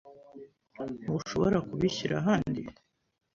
Ntushobora kubishyira ahandi?